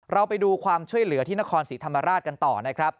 เราไปดูความช่วยเหลือที่นครศรีธรรมราชกันต่อนะครับ